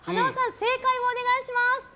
正解をお願いします。